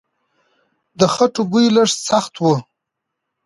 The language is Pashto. د خټو بوی لږ سخت و.